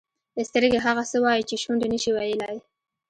سترګې هغه څه وایي چې شونډې نه شي ویلای.